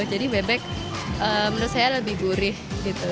jadi bebek menurut saya lebih gurih gitu